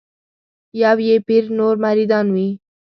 یو یې پیر نور مریدان وي